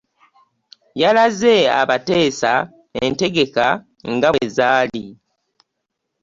Yalaze abateesa entegeka nga bwezaali